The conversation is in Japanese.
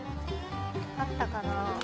ったかな。